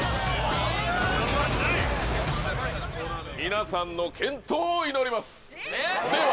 皆さんの健闘を祈りますでは！